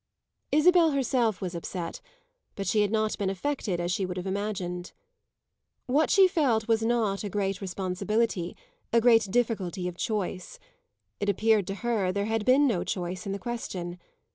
Isabel herself was upset, but she had not been affected as she would have imagined. What she felt was not a great responsibility, a great difficulty of choice; it appeared to her there had been no choice in the question.